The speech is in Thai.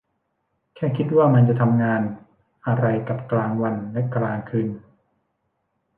แค่คิดว่ามันจะทำงานอะไรกับกลางวันและกลางคืน !